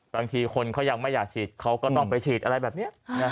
บางทีคนเขายังไม่อยากฉีดเขาก็ต้องไปฉีดอะไรแบบนี้